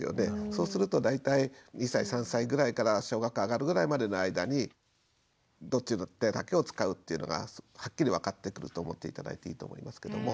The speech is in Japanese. そうすると大体２歳３歳ぐらいから小学校上がるぐらいまでの間にどっちの手だけを使うっていうのがはっきり分かってくると思って頂いていいと思いますけども。